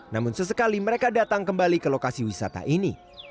namun sesekali mereka datang kembali ke lokasi wisata ini